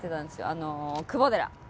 あの久保寺。